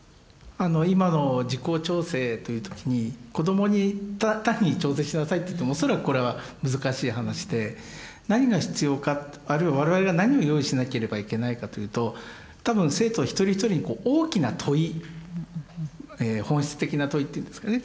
今の自己調整という時に子どもに単に調整しなさいって言っても恐らくこれは難しい話で何が必要かあるいは我々が何を用意しなければいけないかというと多分生徒一人ひとりに大きな問い本質的な問いって言うんですかね。